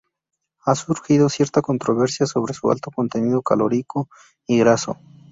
Ha surgido cierta controversia sobre su alto contenido calórico y graso.